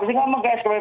bilang pak presiden